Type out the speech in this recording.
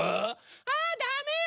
あダメよ